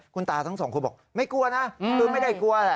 คุณตาทั้งสองคนบอกไม่กลัวนะคือไม่ได้กลัวแหละ